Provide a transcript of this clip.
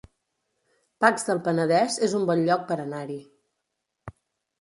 Pacs del Penedès es un bon lloc per anar-hi